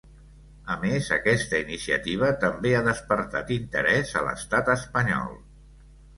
A més, aquesta iniciativa també ha despertat interès a l’estat espanyol.